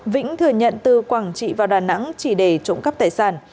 vĩnh thừa nhận từ quảng trị vào đà nẵng chỉ để trộm cắp tài sản